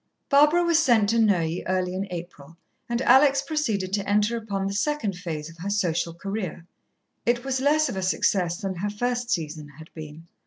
Barbara was sent to Neuilly early in April, and Alex proceeded to enter upon the second phase of her social career. It was less of a success than her first season had been.